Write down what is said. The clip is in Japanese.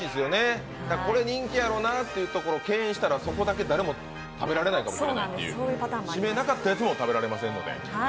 これ人気やろなというところを敬遠したら、そこだけ誰も食べられないかもしれない、指名なかったやつも食べられませんので。